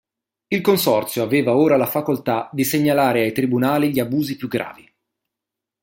Il consorzio aveva ora la facoltà di segnalare ai tribunali gli abusi più gravi.